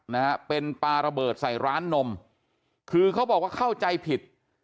นะฮะเป็นปลาระเบิดใส่ร้านนมคือเขาบอกว่าเข้าใจผิด